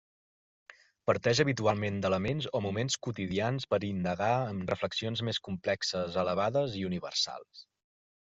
Parteix habitualment d'elements o moments quotidians per indagar en reflexions més complexes, elevades i universals.